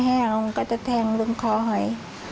มันก็จะแทงตรงคอหอย